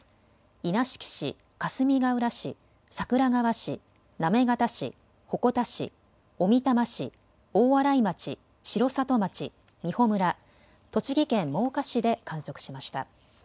稲敷市、かすみがうら市、桜川市、行方市、鉾田市、小美玉市、大洗町、城里町、美浦村、栃木県真岡市で観測しました。